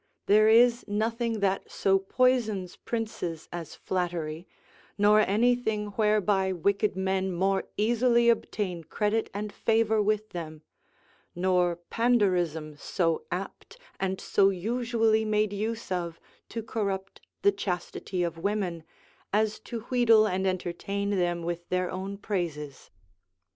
There is nothing that so poisons princes as flattery, nor anything whereby wicked men more easily obtain credit and favour with them; nor panderism so apt and so usually made use of to corrupt the chastity of women as to wheedle and entertain them with their own praises.